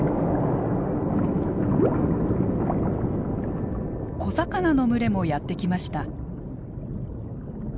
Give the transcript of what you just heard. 小魚の群れもやって来ました。